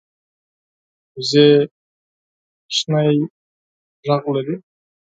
وزې کوچنی غږ لري